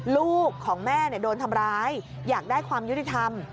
ลูกของแม่โดนทำร้ายอยากได้ความยุติธรรม